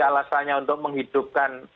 alasannya untuk menghidupkan